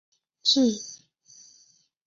治所在阴石县。